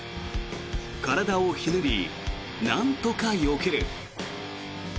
体をひねり、なんとかよける。